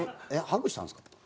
えっハグしたんですか？